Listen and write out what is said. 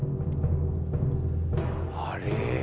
あれ？